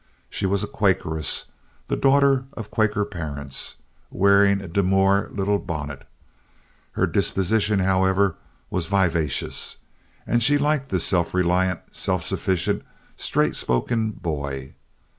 She was a Quakeress, the daughter of Quaker parents, wearing a demure little bonnet. Her disposition, however, was vivacious, and she liked this self reliant, self sufficient, straight spoken boy.